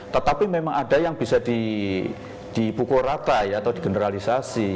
tetapi memang ada yang bisa dipukul rata ya atau digeneralisasi